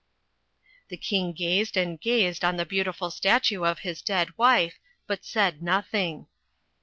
The King gazed and gazed on the beautiful statue of his dead wife, but said nothing.